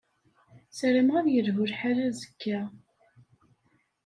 Ssarameɣ ad yelhu lḥal azekka.